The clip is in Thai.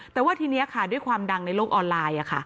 แต่ว่าทีนี้ค่ะด้วยความดังในโลกออนไลน์